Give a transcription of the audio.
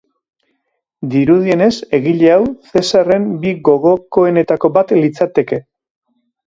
Dirudienez egile hau Zesarren bi gogokoenetako bat litzateke.